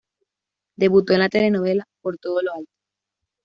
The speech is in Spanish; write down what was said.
Debutó en la telenovela "Por todo lo alto".